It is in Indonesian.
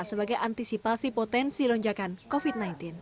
sebagai antisipasi potensi lonjakan covid sembilan belas